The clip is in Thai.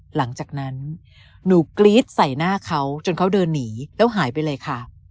หลังจากนั้นหนูกรี๊ดใส่หน้าเขาจนเขาเดินหนีแล้วหายไปเลยค่ะ